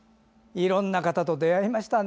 いろんな方と出会いましたね。